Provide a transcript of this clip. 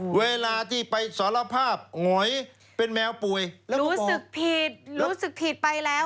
เวลาที่ไปสารภาพหงอยเป็นแมวป่วยแล้วรู้สึกผิดรู้สึกผิดไปแล้ว